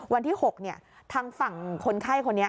วันที่๖ทางฝั่งคนไข้คนนี้